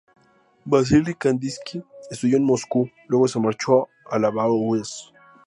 Vasili Kandinski estudió en Moscú luego se marchó a la Bauhaus.